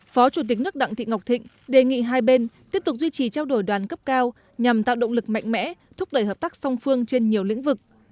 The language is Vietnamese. phó chủ tịch nước đặng thị ngọc thịnh đề nghị hai bên tiếp tục duy trì trao đổi đoàn cấp cao nhằm tạo động lực mạnh mẽ thúc đẩy hợp tác song phương trên nhiều lĩnh vực